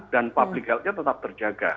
dan public healthnya tetap terjaga